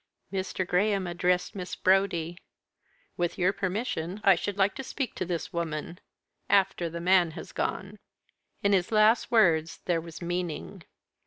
Mr. Graham addressed Miss Brodie. "With your permission I should like to speak to this woman after the man has gone." In his last words there was meaning.